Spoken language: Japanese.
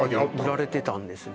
売られてたんですね